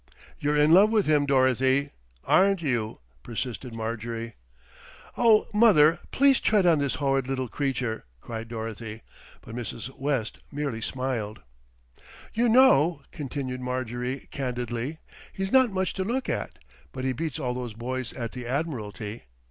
"You're in love with him, Dorothy, aren't you?" persisted Marjorie. "Oh, mother, please tread on this horrid little creature," cried Dorothy; but Mrs. West merely smiled. "You know," continued Marjorie candidly, "he's not much to look at; but he beats all those boys at the Admiralty."